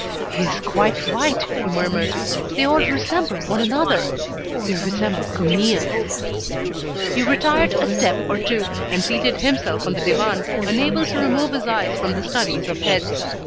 "He is quite right," he murmured, "they all resemble one another. They resemble Camille." He retired a step or two, and seated himself on the divan, unable to remove his eyes from the studies of heads.